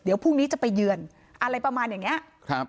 เดี๋ยวพรุ่งนี้จะไปเยือนอะไรประมาณอย่างเนี้ยครับ